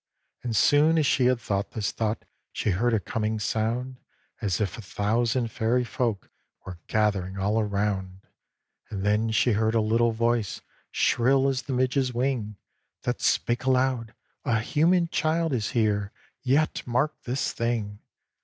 And soon as she had thought this thought, She heard a coming sound, As if a thousand Fairy folk Were gathering all around. And then she heard a little voice, Shrill as the midge's wing, That spake aloud: "A human child Is here, yet mark this thing!